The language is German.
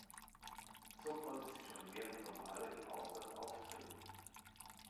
So konnte sie schon mehrere Male im Ausland auftreten.